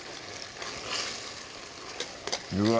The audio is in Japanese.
うわ